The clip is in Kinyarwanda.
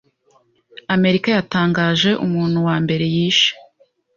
Amerika yatangaje umuntu wa mbere yishe,